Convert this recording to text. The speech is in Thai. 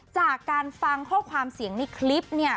จากการฟังข้อความเสียงในคลิปเนี่ย